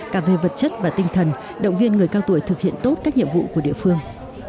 cả về vật chất và tinh thần động viên người cao tuổi thực hiện tốt các nhiệm vụ của địa phương